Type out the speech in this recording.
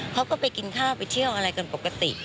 เขาก็ไปกินข้าวไปเที่ยวอะไรกันปกติ